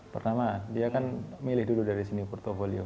pertama mereka akan memilih dari sini portfolio